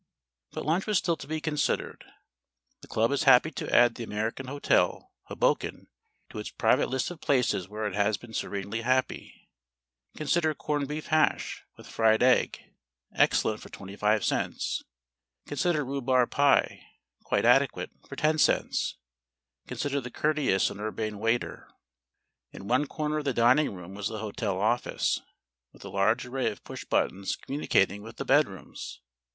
But lunch was still to be considered. The club is happy to add The American Hotel, Hoboken, to its private list of places where it has been serenely happy. Consider corned beef hash, with fried egg, excellent, for 25 cents. Consider rhubarb pie, quite adequate, for 10 cents. Consider the courteous and urbane waiter. In one corner of the dining room was the hotel office, with a large array of push buttons communicating with the bedrooms.